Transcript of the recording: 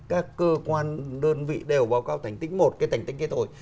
các cơ quan đơn vị đều báo cáo thành tích một cái thành tích cái thôi